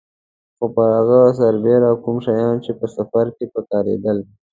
خو پر هغه سربېره کوم شیان چې په سفر کې په کارېدل.